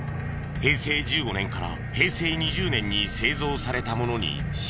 平成１５年から平成２０年に製造されたものに絞られた。